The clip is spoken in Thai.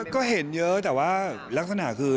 ก็เห็นเยอะแต่ว่ารักษณะคือ